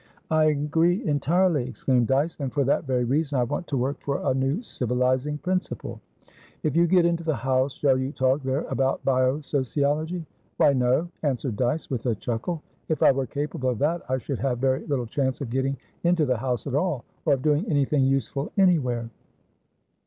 "I agree entirely," exclaimed Dyce. "And for that very reason I want to work for a new civilising principle." "If you get into the House, shall you talk there about bio sociology?" "Why no," answered Dyce, with a chuckle. "If I were capable of that, I should have very little chance of getting into the House at all, or of doing anything useful anywhere."